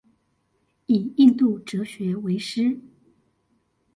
以印度哲學為師